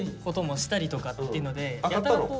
こともしたりとかっていうので。